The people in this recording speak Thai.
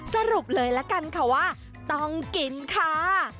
สรุปเลยละกันค่ะว่าต้องกินค่ะ